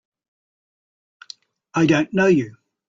I don't know you!